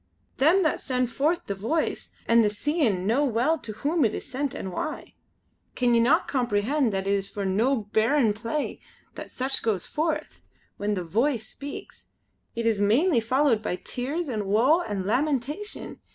Them that send forth the Voice and the Seein' know well to whom it is sent and why. Can ye no comprehend that it is for no bairn play that such goes forth. When the Voice speaks, it is mainly followed by tears an' woe an' lamentation!